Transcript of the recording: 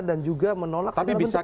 dan juga menolak segala bentuk penjajahan